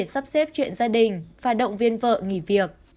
sắp xếp chuyện gia đình và động viên vợ nghỉ việc